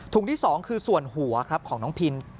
ถุงที่๒คือส่วนหัวของน้องพิน